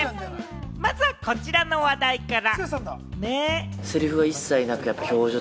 まずはこちらの話題から。